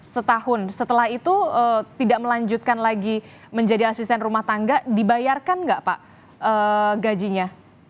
setahun setelah itu tidak melanjutkan lagi menjadi asisten rumah tangga dibayarkan nggak pak gajinya